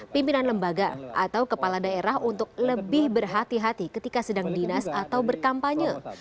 pimpinan lembaga atau kepala daerah untuk lebih berhati hati ketika sedang dinas atau berkampanye